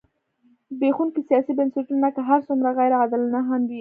زبېښونکي سیاسي بنسټونه که هر څومره غیر عادلانه هم وي.